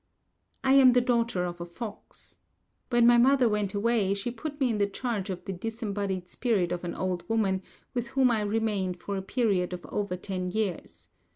I am the daughter of a fox. When my mother went away she put me in the charge of the disembodied spirit of an old woman, with whom I remained for a period of over ten years.